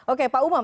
oke pak umam